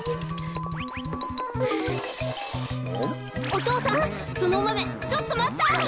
お父さんそのおマメちょっとまった！